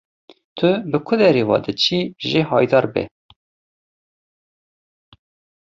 Tu bi ku derê ve diçî jê haydar be.